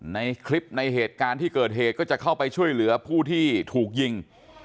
ในคลิปในเหตุการณ์ที่เกิดเหตุก็จะเข้าไปช่วยเหลือผู้ที่ถูกยิง